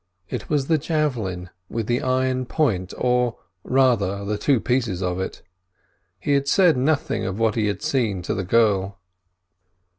It was the javelin with the iron point—or, rather, the two pieces of it. He had said nothing of what he had seen to the girl.